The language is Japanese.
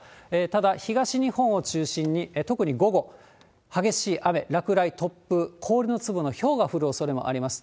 ただ、東日本を中心に特に午後、激しい雨、落雷、突風、氷の粒のひょうが降るおそれもあります。